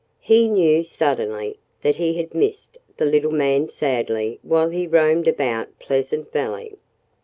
He knew, suddenly, that he had missed the little man sadly while he roamed about Pleasant Valley.